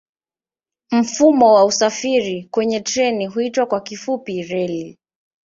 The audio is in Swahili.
Mfumo wa usafiri kwa treni huitwa kwa kifupi reli.